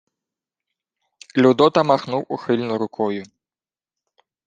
Людота махнув ухильно рукою.